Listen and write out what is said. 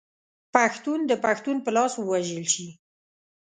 پښتون د پښتون په لاس ووژل شي.